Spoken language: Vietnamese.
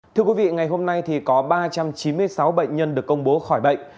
thưa quý vị ngày hôm nay thì có ba trăm chín mươi sáu bệnh nhân được công bố khỏi bệnh